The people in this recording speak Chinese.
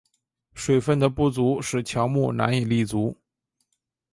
水分的不足使乔木难以立足。